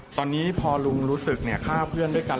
ตอนนี้พอลุงรู้สึกฆ่าเพื่อนด้วยกัน